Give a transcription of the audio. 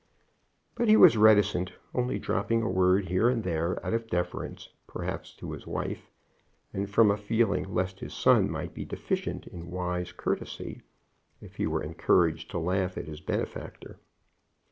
But he was reticent, only dropping a word here and there, out of deference, perhaps, to his wife, and from a feeling lest his son might be deficient in wise courtesy, if he were encouraged to laugh at his benefactor.